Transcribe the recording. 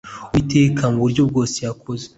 uwiteka muburyo bwose yakoze